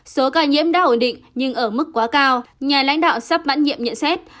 số ca nhiễm đã ổn định nhưng ở mức quá cao nhà lãnh đạo sắp mãn nhiệm nhận xét